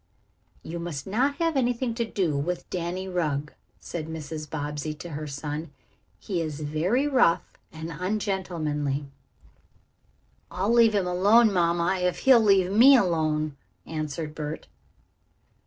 "You must not have anything to do with Danny Rugg," said Mrs. Bobbsey to her son. "He is very rough and ungentlemanly." "I'll leave him alone, mamma, if he'll leave me alone," answered Bert.